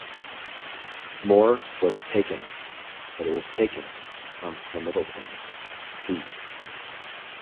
More was taken, but it was taken from the middle tins — these.